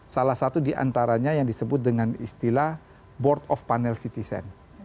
salah satu diantaranya yang disebut dengan istilah board of panel citizen